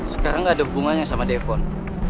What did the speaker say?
sekarang gak ada hubungannya sama devon